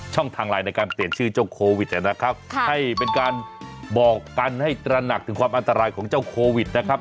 ทางไลน์ในการเปลี่ยนชื่อเจ้าโควิดนะครับให้เป็นการบอกกันให้ตระหนักถึงความอันตรายของเจ้าโควิดนะครับ